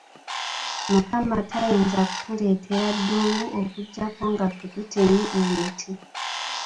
Mukama tayinza kutuleetera ddungu okuggyako nga ffe tutemye emiti.